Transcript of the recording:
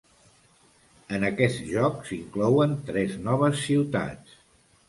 En aquest joc s'inclouen tres noves ciutats: